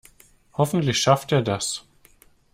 Hoffentlich schafft er das.